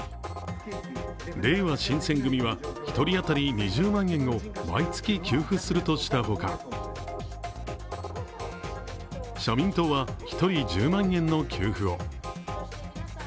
れいわ新撰組は１人当たり２０万円を毎月給付するとした他、社民党は１人１０万円の給付を。